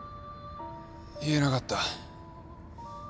言えなかった。